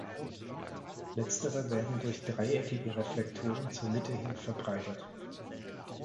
Letztere werden durch dreieckige Reflektoren zur Mitte hin verbreitert.